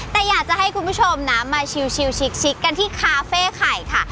แต่อยากจะให้คุณผู้ชมนะมาชิลชิกกันที่คาเฟ่ไข่ค่ะ